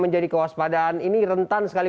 menjadi kewaspadaan ini rentan sekali